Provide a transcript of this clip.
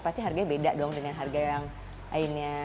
pasti harganya beda dong dengan harga yang lainnya